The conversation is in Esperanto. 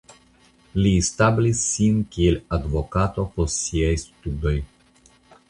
Li establis sin kiel advokato post siaj studoj.